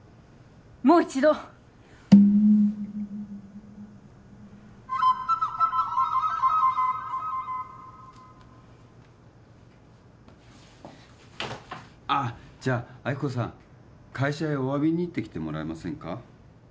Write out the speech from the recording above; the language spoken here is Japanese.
もう一度ああじゃあ亜希子さん会社へお詫びに行ってきてもらえませんか？